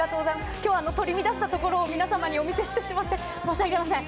きょうは取り乱したところを皆様にお見せしてしまって、申し訳ありません。